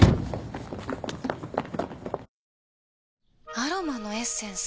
アロマのエッセンス？